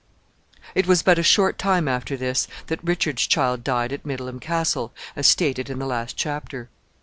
] It was but a short time after this that Richard's child died at Middleham Castle, as stated in the last chapter.